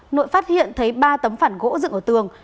nội phát hiện thấy ba tấm phản gỗ dựng ở tường